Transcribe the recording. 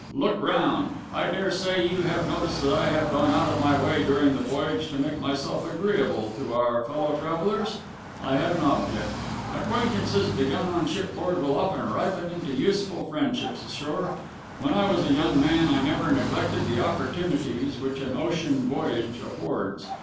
"Look round. I daresay you have noticed that I have gone out of my way during the voyage to make myself agreeable to our fellow travellers? I had an object. Acquaintances begun on shipboard will often ripen into useful friendships ashore. When I was a young man I never neglected the opportunities which an ocean voyage affords.